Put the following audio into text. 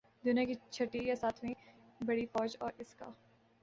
دنیا کی چھٹی یا ساتویں بڑی فوج اور اس کا